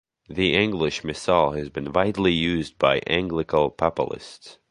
The English Missal has been widely used by Anglican Papalists.